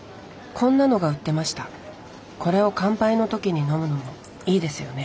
これを乾杯の時に飲むのもいいですよね」。